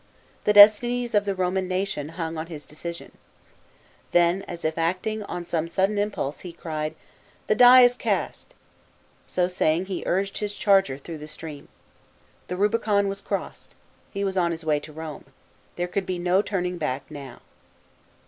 The destinies of the Roman nation hung on his decision. Then, as if acting on some sudden impulse, he cried, "The die is cast." So saying he urged his charger 186 FLIGHT OF POMPEY. [B.C. 49. through the stream. The Hubicon was crossed. He was on his way to Rome. There could be no turning back now.